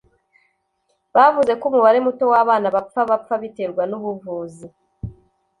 bavuze ko umubare muto w'abana bapfa bapfa biterwa n'ubuvuzi